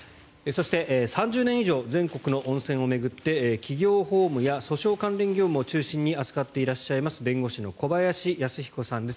そして、３０年以上全国の温泉を巡って企業法務や訴訟関連業務を中心に扱っていらっしゃいます弁護士の小林裕彦さんです。